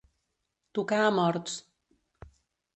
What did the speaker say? Tocar a morts.